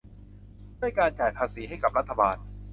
ด้วยการจ่ายภาษีให้กับรัฐบาล